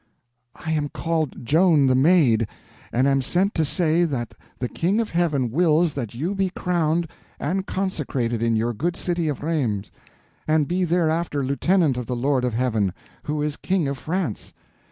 "I am called Joan the Maid, and am sent to say that the King of Heaven wills that you be crowned and consecrated in your good city of Rheims, and be thereafter Lieutenant of the Lord of Heaven, who is King of France.